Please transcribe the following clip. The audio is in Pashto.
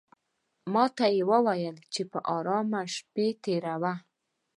ماته یې وویل چې په آرامه شپې تېروه.